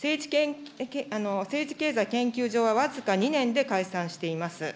政治経済研究所は僅か２年で解散しています。